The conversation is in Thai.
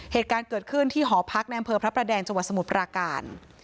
เหตุการณ์เกิดขึ้นที่หอพักในอำเภอพระประแดงจังหวัดสมุทรปราการ